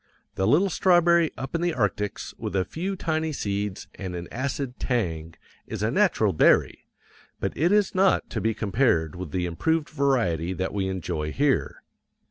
The little strawberry up in the arctics with a few tiny seeds and an acid tang is a natural berry, but it is not to be compared with the improved variety that we enjoy here.